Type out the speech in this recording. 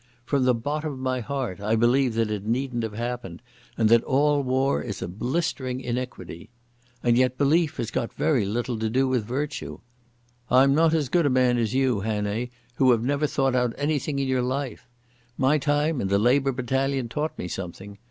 From the bottom of my heart I believe that it needn't have happened, and that all war is a blistering iniquity. And yet belief has got very little to do with virtue. I'm not as good a man as you, Hannay, who have never thought out anything in your life. My time in the Labour battalion taught me something.